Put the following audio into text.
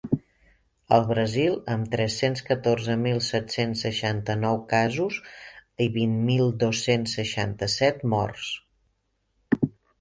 El Brasil, amb tres-cents catorze mil set-cents seixanta-nou casos i vint mil dos-cents seixanta-set morts.